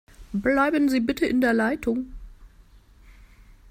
Bleiben Sie bitte in der Leitung.